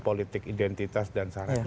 politik identitas dan saraf